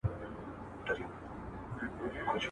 زه سبزیحات تيار کړي دي!؟